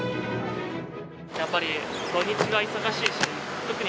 やっぱり土日は忙しいですね。